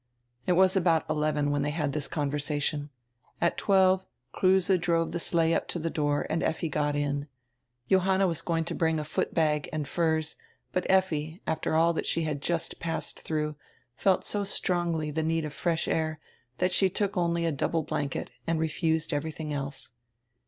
It was about eleven when they had this conversation. At twelve Kruse drove the sleigh up to the door and Effi got in. Johanna was going to bring a foot bag and furs, but Effi, after all that she had just passed through, felt so strongly the need of fresh air that she took only a double blanket and refused everything else.